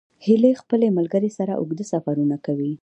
هیلۍ خپل ملګري سره اوږده سفرونه کوي